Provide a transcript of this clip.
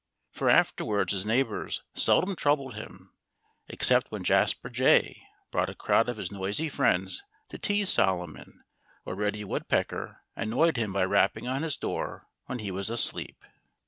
For afterward his neighbors seldom troubled him—except when Jasper Jay brought a crowd of his noisy friends to tease Solomon, or Reddy Woodpecker annoyed him by rapping on his door when he was asleep.